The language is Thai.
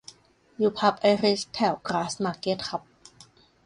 อยู่ผับไอริชแถวกราสมาร์เก็ตครับ